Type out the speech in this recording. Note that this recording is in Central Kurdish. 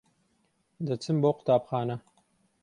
دەچم بۆ قوتابخانە.